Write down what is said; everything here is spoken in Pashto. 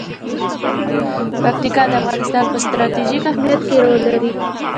پکتیکا د افغانستان په ستراتیژیک اهمیت کې رول لري.